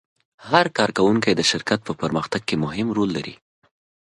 هر کارکوونکی د شرکت په پرمختګ کې مهم رول لري.